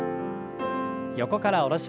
横から下ろします。